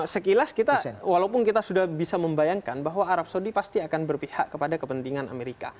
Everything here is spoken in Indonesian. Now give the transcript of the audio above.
sekilas kita walaupun kita sudah bisa membayangkan bahwa arab saudi pasti akan berpihak kepada kepentingan amerika